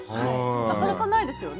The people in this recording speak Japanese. なかなかないですよね。